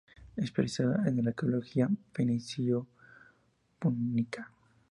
Especializada en la Arqueología fenicio-púnica.